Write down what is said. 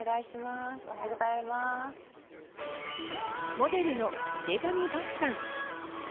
モデルの井手上漠さん。